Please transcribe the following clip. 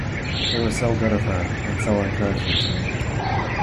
It was so good of her, and so encouraging to me!